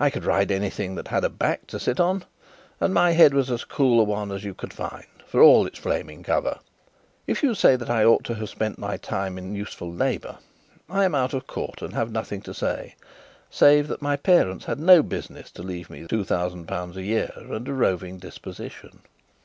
I could ride anything that had a back to sit on; and my head was as cool a one as you could find, for all its flaming cover. If you say that I ought to have spent my time in useful labour, I am out of Court and have nothing to say, save that my parents had no business to leave me two thousand pounds a year and a roving disposition.